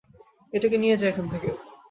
এটাকে নিয়ে যা এখান থেকে।